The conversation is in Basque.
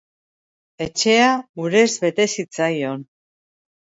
Etxea urez bete zitzaion.